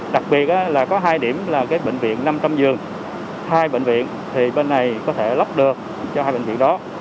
đặc biệt là có hai điểm là bệnh viện năm trăm linh giường hai bệnh viện thì bên này có thể lắp được cho hai bệnh viện đó